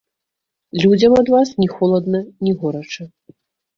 Людзям ад вас ні холадна, ні горача.